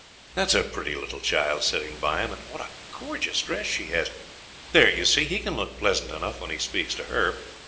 That is a pretty little child sitting by him, and what a gorgeous dress she has! There, you see, he can look pleasant enough when he speaks to her.